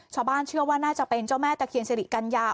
ชาวบ้านเชื่อว่าน่าจะเป็นเจ้าแม่ตะเคียนสิริกัญญา